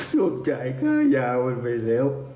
โรคจ่ายค่ายาวมันไปแล้ว